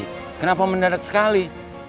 why suddenly kenapa menyeret sekali